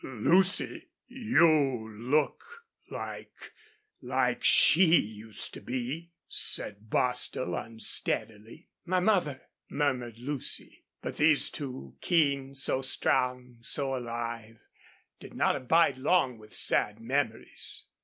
"Lucy you look like like she used to be," said Bostil, unsteadily. "My mother!" murmured Lucy. But these two, so keen, so strong, so alive, did not abide long with sad memories.